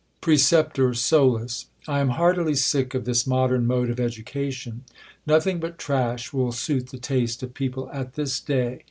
Preceptor, T AM heartily sick of this modern mode [Solus,] X of education. Nothing but trat^h will suit the taste of people at this day.